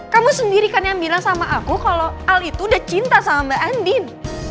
kamu sendiri kan yang bilang sama aku kalau al itu udah cinta sama mbak andin